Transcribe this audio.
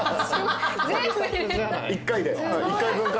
１回で。